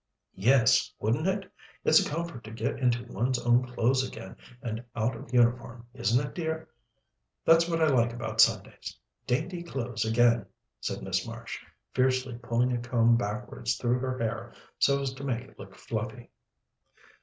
"Yes, wouldn't it? It's a comfort to get into one's own clothes again and out of uniform, isn't it, dear? That's what I like about Sundays dainty clothes again," said Miss Marsh, fiercely pulling a comb backwards through her hair so as to make it look fluffy.